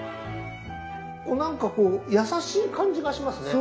なんかこう優しい感じがしますね。